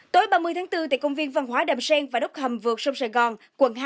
tối ba mươi tháng bốn tại công viên văn hóa đàm sen và đốc hầm vượt sông sài gòn quận hai